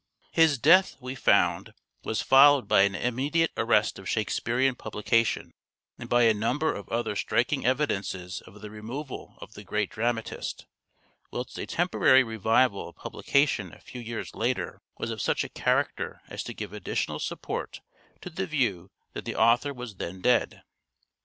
His death, we found, was followed by an immediate arrest of Shakespearean publication, and by a number of other striking evidences of the removal of the great dramatist, whilst a temporary revival of publication a few years later was of such a character as to give additional support to the view that the author was then dead.